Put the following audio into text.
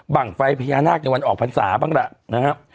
บังไฟพญานาคในวันออกภัณฑ์สาหร่างบ้างละนะครับ